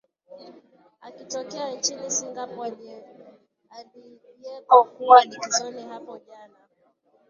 akitokea nchini singapore aliyeko kuwa likizoni hapo jana